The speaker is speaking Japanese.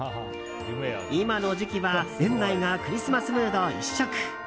今の時期は園内がクリスマスムード一色。